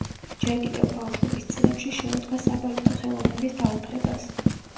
ჯერ კიდევ ბავშვობის წლებში შეუდგა საბალეტო ხელოვნების დაუფლებას.